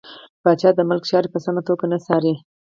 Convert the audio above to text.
پاچا د ملک چارې په سمه توګه نه څاري .